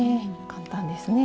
簡単ですね。